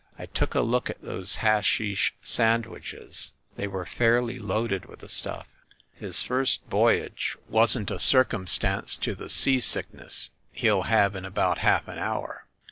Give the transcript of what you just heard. I took a look at those hashish sandwiches, ‚ÄĒ they were fairly loaded with the stuff. His first voy age wasn't a circumstance to the seasickness he'll have in about half an hour.